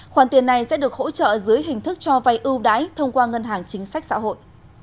khoản tiền này sẽ được hỗ trợ dưới hình thức cho vay ưu đãi thông qua ngân hàng chính sách xã hội